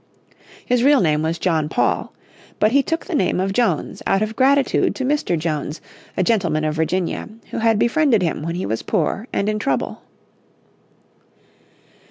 His real name was John Paul. But he took the name of Jones out of gratitude to Mr. Jones, a gentleman of Virginia, who had befriended him when he was poor and in trouble.